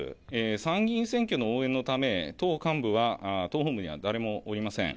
参議院選挙の応援のため党幹部は党本部には誰もおりません。